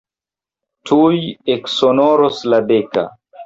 Tuj eksonoros la deka.